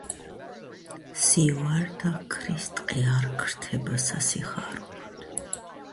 He was highly praised by fellow musicians, including Wagner himself and Edward Dannreuther.